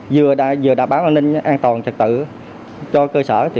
vừa đảm bảo an ninh an toàn trật tự cho cơ sở